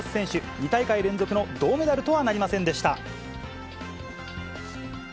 ２大会連続の銅メダルとはなりませんでした。